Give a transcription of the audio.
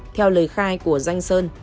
theo lời khai của danh sơn